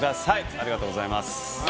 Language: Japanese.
ありがとうございます。